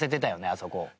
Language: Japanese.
あそこ。